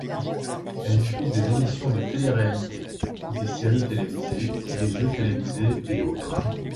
Elle diffuse des émissions de téléréalité, des séries télévisées, des jeux télévisés, et autres.